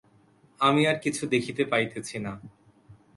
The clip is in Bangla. আমি আর কিছু দেখিতে পাইতেছি না।